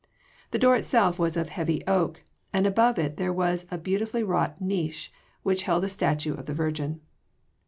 The door itself was of heavy oak, and above it there was a beautifully wrought niche which held a statue of the Virgin.